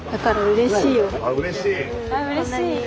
うれしい？